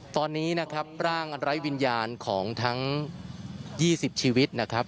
ตอนนี้นะครับร่างอันไร้วิญญาณของทั้ง๒๐ชีวิตนะครับ